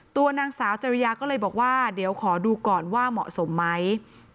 ตัวนางสาวจริยาก็เลยบอกว่าเดี๋ยวขอดูก่อนว่าเหมาะสมไหม